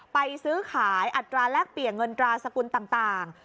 ซื้อขายอัตราแลกเปลี่ยนเงินตราสกุลต่าง